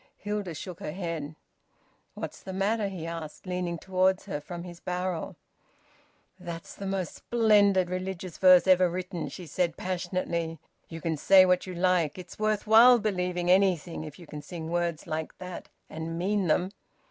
Hilda shook her head. "What's the matter?" he asked, leaning towards her from his barrel. "That's the most splendid religious verse ever written!" she said passionately. "You can say what you like. It's worth while believing anything, if you can sing words like that and mean them!"